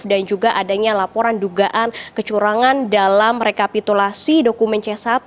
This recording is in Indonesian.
dan juga adanya laporan dugaan kecurangan dalam rekapitulasi dokumen c satu